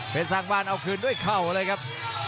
เป็นสร้างบ้านเอาคืนด้วยเข่าเลยครับ